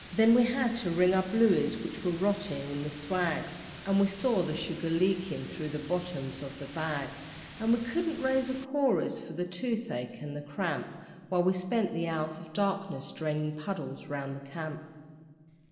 Then we had to wring our blueys which were rotting in the swags, And we saw the sugar leaking through the bottoms of the bags, And we couldn't raise a chorus, for the toothache and the cramp, While we spent the hours of darkness draining puddles round the camp.